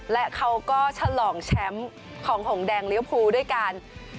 และเขาก็ฉลองแชมป์ของของแดงลิเวอร์ฟูด้วยการ